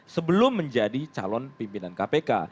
sebelum menjadi calon pimpinan kpk